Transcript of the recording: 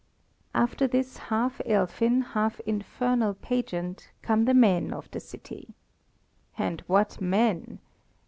After this half elfin, half infernal pageant, come the men of the city. And what men!